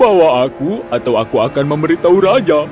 bawa aku atau aku akan memberitahu raja